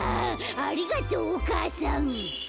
ありがとうお母さん」。